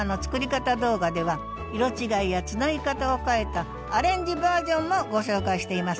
動画では色違いやつなぎ方を変えたアレンジバージョンもご紹介しています。